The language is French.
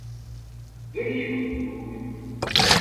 Deux livres ! dit Mokoum.